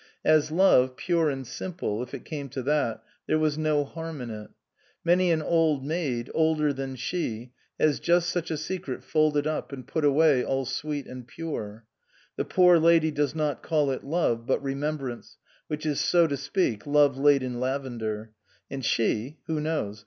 As love pure and simple, if it came to that, there was no harm in it. Many an old maid, older than she, has just such a secret folded up and put away all sweet and pure ; the poor lady does not call it love, but remembrance, which is so to speak love laid in lavender ; and she who knows